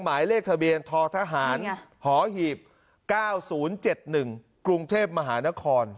หมายเลขทะเบียนททหารหอหีบ๙๐๗๑กรุงเทพมหานคร